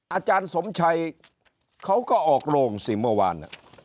อาจารย์สมชัยเขาก็ออกโรงสิเมื่อวาน